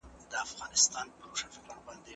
لوستې میندې د ماشومانو د بدن تودوخه څاري.